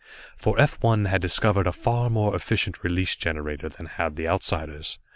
For F 1 had discovered a far more efficient release generator than had the Outsiders.